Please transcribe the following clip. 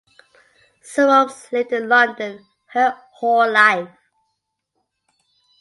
Soames lived in London her whole life.